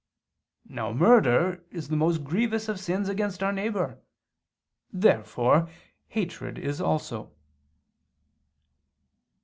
Now murder is the most grievous of sins against our neighbor. Therefore hatred is also.